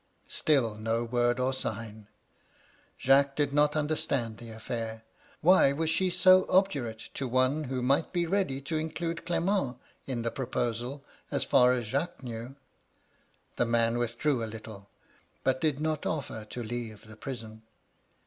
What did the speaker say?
^* Still no word or sign. Jacques did not understand the aSair. Why was she so obdurate to one who might be ready to include Clement in the proposal, as far as Jacques knew ?" The man withdrew a little, but did not offer to leave the prison.